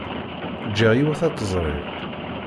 Jjiɣ yiwet ad tezri.